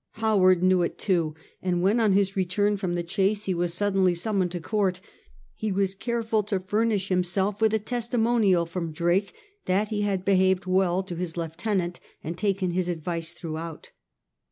Howard knew it too ; and when on his return from the chase he was suddenly summoned to Courts he was careful to furnish himself with a testimonial from Drake that he had behaved well to his lieutenant and taken his advice throughout.